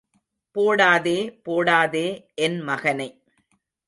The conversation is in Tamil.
போடாதே போடாதே என் மகனை.